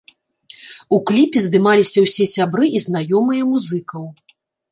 У кліпе здымаліся ўсе сябры і знаёмыя музыкаў.